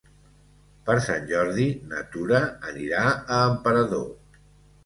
Per Sant Jordi na Tura anirà a Emperador.